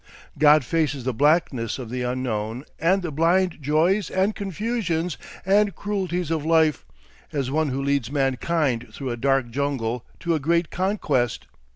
God faces the blackness of the Unknown and the blind joys and confusions and cruelties of Life, as one who leads mankind through a dark jungle to a great conquest.